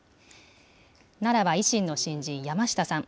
奈良は維新の新人、山下さん。